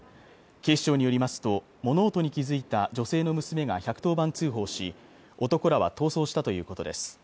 警視庁によりますと物音に気づいた女性の娘が１１０番通報し男らは逃走したということです